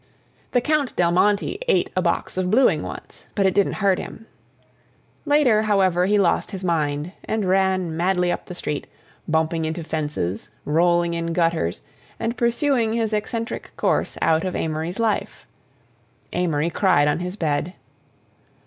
The Count Del Monte ate a box of bluing once, but it didn't hurt him. Later, however, he lost his mind and ran madly up the street, bumping into fences, rolling in gutters, and pursuing his eccentric course out of Amory's life. Amory cried on his bed.